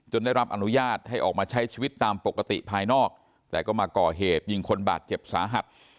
ได้รับอนุญาตให้ออกมาใช้ชีวิตตามปกติภายนอกแต่ก็มาก่อเหตุยิงคนบาดเจ็บสาหัส